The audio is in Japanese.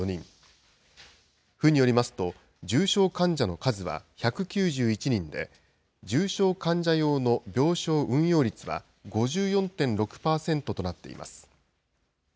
府によりますと、重症患者の数は１９１人で、重症患者用の病床運用率は５４．６％となっています。